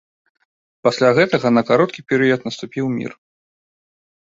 Пасля гэтага на кароткі перыяд наступіў мір.